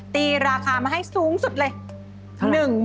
ตีราคามาให้สูงสุดเลย